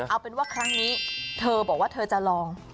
เอาเป็นว่าครั้งนี้เธอบอกว่าเธอจะลอง